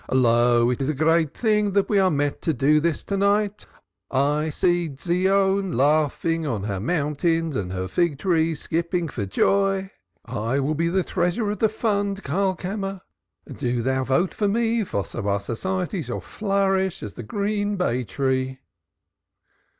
Lo, it is a great thing we are met to do this night I see Zion laughing on her mountains and her fig trees skipping for joy. I will be the treasurer of the fund, Karlkammer do thou vote for me, for so our society shall flourish as the green bay tree."